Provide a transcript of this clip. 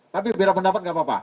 tapi beda pendapat gak apa apa